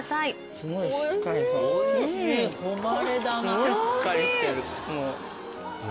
すごいしっかりしてる。